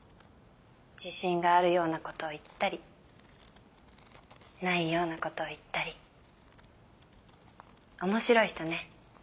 ・自信があるような事を言ったりないような事を言ったり面白い人ね。